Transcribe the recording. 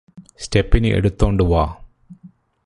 stepney എടുത്തോണ്ട് വാ